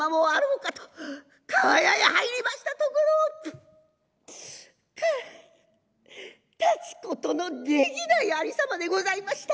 厠へ入りましたところ立つことのできないありさまでございました。